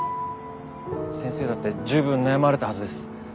先生だって十分悩まれたはずです。